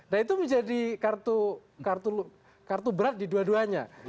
nah itu menjadi kartu berat di dua duanya